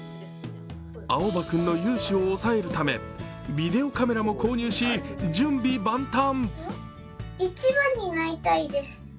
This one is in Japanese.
あおば君の雄姿を押さえるためビデオカメラも購入し準備万端。